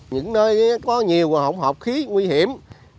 những nơi có nhiều hộp khí nguy hiểm